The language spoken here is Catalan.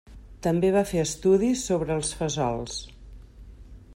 També va fer estudis sobre els fesols.